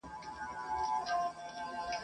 هیل چای د معدې پړسوب، دروندوالی او بد هضم کموي.